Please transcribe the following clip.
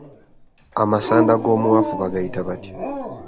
Amasanda g’omuwafu gayitibwa gatya